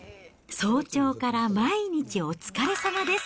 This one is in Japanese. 早朝から毎日、おつかれさまです。